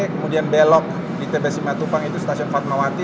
kemudian belok di tbs lima tupang itu stasiun fatmawati